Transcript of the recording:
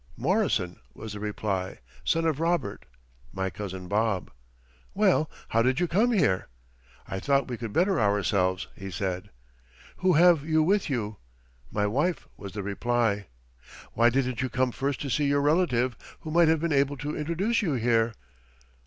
"Morrison," was the reply, "son of Robert" my cousin Bob. "Well, how did you come here?" "I thought we could better ourselves," he said. "Who have you with you?" "My wife," was the reply. "Why didn't you come first to see your relative who might have been able to introduce you here?"